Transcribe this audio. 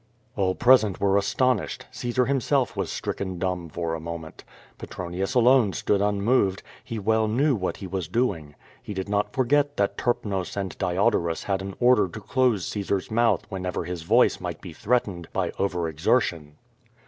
All present were astonished. Caesar himself was stricken dumb for a moment. Petronius alone stood unmoved; he well knew what he was doing. He did not forget that Terp nos and Diodorus had an order to close Caesar's mouth when ever his voice might be threatened by over exertion.